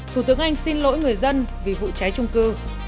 thủ tướng anh xin lỗi người dân vì vụ cháy trung cư